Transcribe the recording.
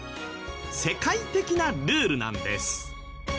世界的なルールなんです。